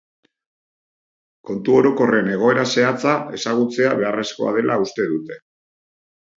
Kontu orokorren egoera zehatza ezagutzea beharrezkoa dela uste dute.